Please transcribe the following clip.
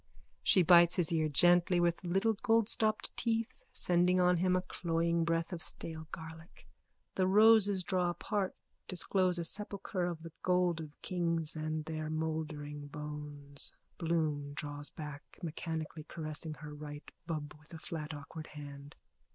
_(She bites his ear gently with little goldstopped teeth, sending on him a cloying breath of stale garlic. The roses draw apart, disclose a sepulchre of the gold of kings and their mouldering bones.)_ BLOOM: _(Draws back, mechanically caressing her right bub with a flat awkward hand.)